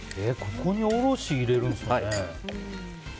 ここに、おろし入れるんですね。